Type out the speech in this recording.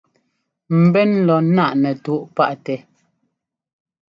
Mbɛ́n lɔ ńnáꞌ nɛtúꞌ páꞌ tɛ.